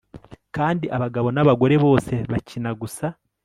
Kandi abagabo nabagore bose bakina gusa